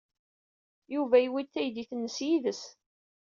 Yuba yewwi-d taydit-nnes yid-s.